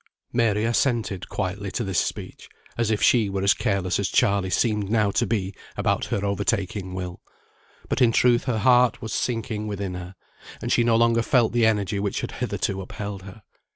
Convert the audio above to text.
Mary assented quietly to this speech, as if she were as careless as Charley seemed now to be about her overtaking Will; but in truth her heart was sinking within her, and she no longer felt the energy which had hitherto upheld her.